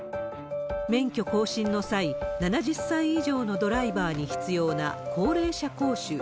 免許更新の際、７０歳以上のドライバーに必要な高齢者講習。